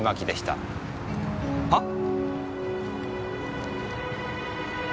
はっ？